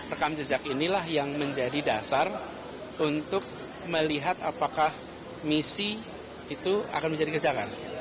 rekam jejak inilah yang menjadi dasar untuk melihat apakah misi itu akan bisa dikerjakan